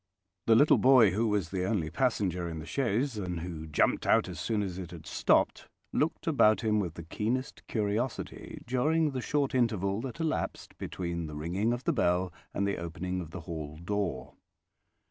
The little boy who was the only passenger in the chaise, and who jumped out as soon as it had stopped, looked about him with the keenest curiosity during the short interval that elapsed between the ringing of the bell and the opening of the hall door.